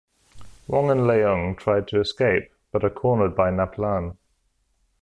Wong and Leung try to escape but are cornered by Nap-lan.